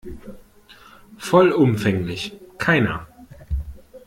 Vollumfänglich, keiner.